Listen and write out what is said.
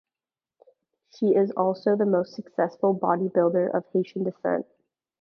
She is also the most successful bodybuilder of Haitian descent.